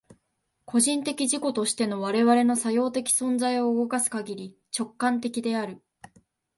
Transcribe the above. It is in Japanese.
個人的自己としての我々の作用的存在を動かすかぎり、直観的である。